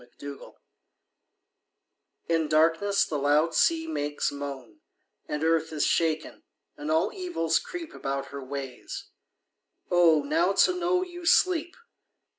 The Charm In darkness the loud sea makes moan; And earth is shaken, and all evils creep About her ways. Oh, now to know you sleep!